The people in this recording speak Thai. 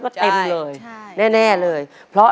ขอบคุณค่ะ